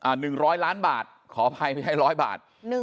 อ่ะ๑๐๐ล้านบาทขออภัยไม่ใช่๑๐๐บาท